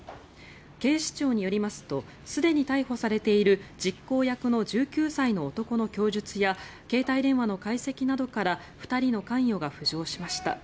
警視庁によりますとすでに逮捕されている実行役の１９歳の男の供述や携帯電話の解析などから２人の関与が浮上しました。